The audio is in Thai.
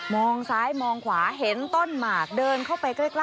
ซ้ายมองขวาเห็นต้นหมากเดินเข้าไปใกล้